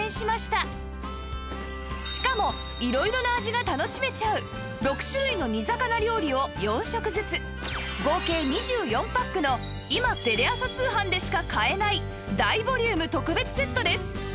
しかも色々な味が楽しめちゃう合計２４パックの今テレ朝通販でしか買えない大ボリューム特別セットです